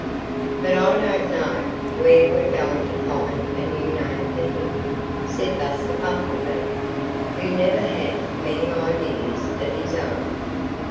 "But I don't know where we're going to find a new name for him," said Buster Bumblebee, who never had many ideas of his own.